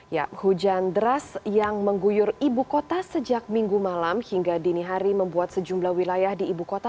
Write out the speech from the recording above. ya hujan deras yang mengguyur ibu kota sejak minggu malam hingga dini hari membuat sejumlah wilayah di ibu kota